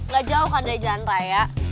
gak jauh kan dari jalan raya